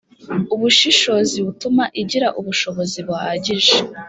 Ubushishozi butuma igira ubushobozi buhagije